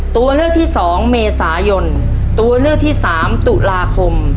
ตัวเลือกที่สองเมษายนตัวเลือกที่สามตุลาคม